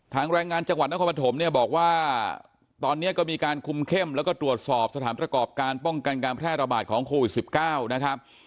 แรงงานจังหวัดนครปฐมเนี่ยบอกว่าตอนนี้ก็มีการคุมเข้มแล้วก็ตรวจสอบสถานประกอบการป้องกันการแพร่ระบาดของโควิด๑๙นะครับ